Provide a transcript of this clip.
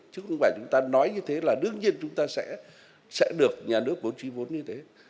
chứ không phải chúng ta nói như thế là đương nhiên chúng ta sẽ được nhà nước bố trí vốn như thế